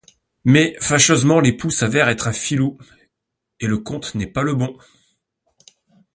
Mais fâcheusement l'époux s'avère être un filou, et le comte n'est pas le bon.